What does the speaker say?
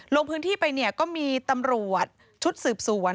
ลงพื้นที่ไปเนี่ยก็มีตำรวจชุดสืบสวน